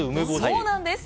そうなんです。